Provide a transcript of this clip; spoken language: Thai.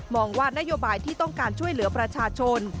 ว่านโยบายที่ต้องการช่วยเหลือประชาชน